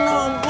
no bukan itu